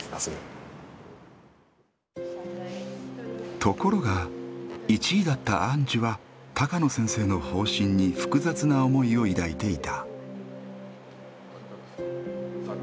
ところが１位だったアンジュは高野先生の方針に複雑な思いを抱いていた。